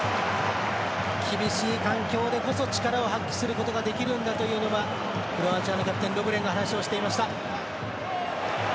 厳しい環境でこそ力を発揮することができるんだというのがクロアチアのキャプテンロブレンが話をしていました。